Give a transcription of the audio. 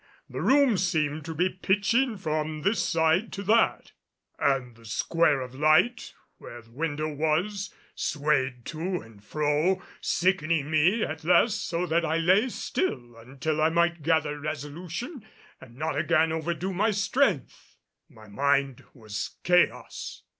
The room seemed to be pitching from this side to that and the square of light where the window was swayed to and fro, sickening me at last so that I lay still until I might gather resolution and not again overdo my strength. My mind was chaos.